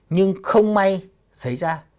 nhưng không may xảy ra